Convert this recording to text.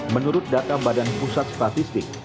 menurut data badan pusat statistik